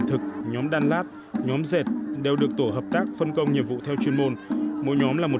thực nhóm đan lát nhóm dệt đều được tổ hợp tác phân công nhiệm vụ theo chuyên môn mỗi nhóm là một